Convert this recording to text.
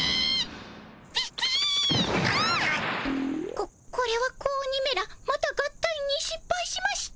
ここれは子鬼めらまた合体にしっぱいしました。